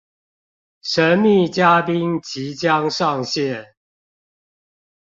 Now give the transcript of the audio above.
神秘嘉賓即將上線